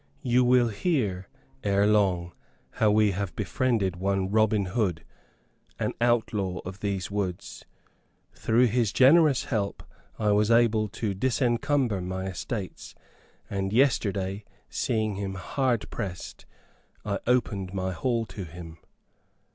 You will hear ere long how we have befriended one Robin Hood, an outlaw of these woods. Through his generous help I was able to disencumber my estates, and yesterday, seeing him hard pressed, I opened my hall to him."